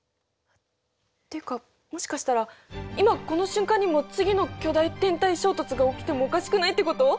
っていうかもしかしたら今この瞬間にも次の巨大天体衝突が起きてもおかしくないってこと！？